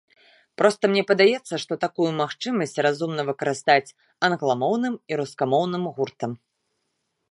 Проста мне падаецца, што такую магчымасць разумна выкарыстаць англамоўным і рускамоўным гуртам.